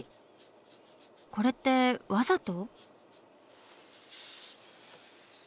これってわざと？